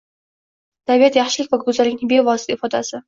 Tabiat – yaxshilik va go’zallikning bevosita ifodasi.